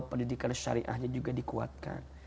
pendidikan syariahnya juga dikuatkan